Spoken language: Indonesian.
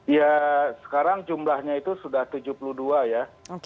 ya sekarang jumlahnya itu sudah tujuh puluh dua ya